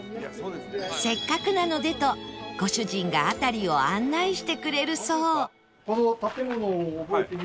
せっかくなのでとご主人が辺りを案内してくれるそう